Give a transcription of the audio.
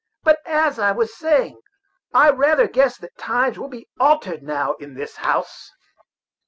But, as I was saying, I rather guess that times will be altered now in this house."